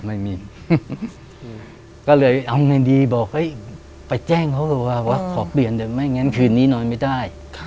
ไม่มีก็เลยเอาไงดีบอกไปแจ้งเขาบอกว่าขอเปลี่ยนเดี๋ยวไม่งั้นคืนนี้นอนไม่ได้